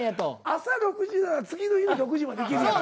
朝６時なら次の日の６時までいけるやん。